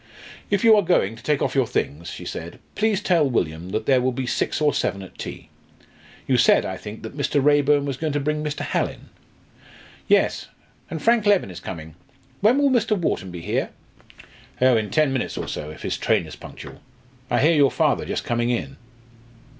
"If you are going to take off your things," she said, "please tell William that there will be six or seven at tea. You said, I think, that Mr. Raeburn was going to bring Mr. Hallin?" "Yes, and Frank Leven is coming. When will Mr. Wharton be here?" "Oh, in ten minutes or so, if his train is punctual. I hear your father just coming in."